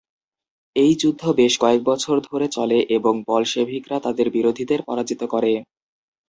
এই যুদ্ধ বেশ কয়েকবছর ধরে চলে এবং বলশেভিকরা তাদের বিরোধীদের পরাজিত করে।